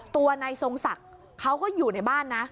ตัวนายทรงศักดิ์เขาก็อยู่ในบ้านนะ